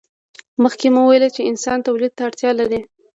مخکې مو وویل چې انسانان تولید ته اړتیا لري.